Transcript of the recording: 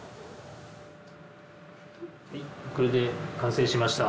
はいこれで完成しました。